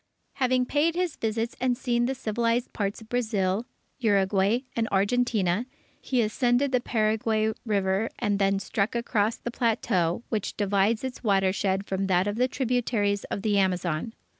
Having paid his visits and seen the civilized parts of Brazil, Uruguay, and Argentina, he ascended the Paraguay River, and then struck across the plateau which divides its watershed from that of the tributaries of the Amazon.